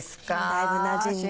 だいぶなじんで。